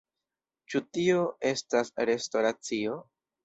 Ĉu tio estas restoracio?